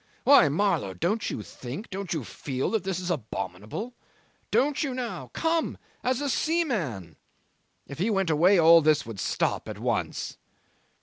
Why, Marlow, don't you think, don't you feel, that this is abominable; don't you now come as a seaman? If he went away all this would stop at once."